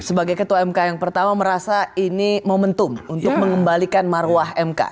sebagai ketua mk yang pertama merasa ini momentum untuk mengembalikan marwah mk